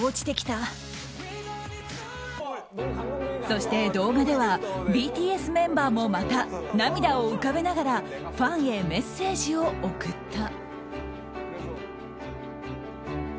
そして動画ではＢＴＳメンバーもまた涙を浮かべながらファンヘメッセージを送った。